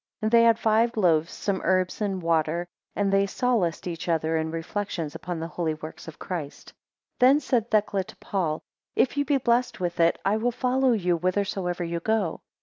11 They had five loaves, some herbs and water, and they solaced each other in reflections upon the holy works of Christ. 12 Then said Thecla to Paul, If you be pleased with it, I will follow you whithersoever you go.